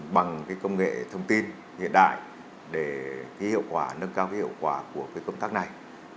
bằng công nghệ thông tin hiện đại để nâng cao hiệu quả của công tác này